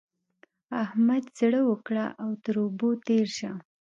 احمد زړه وکړه او تر اوبو تېر شه.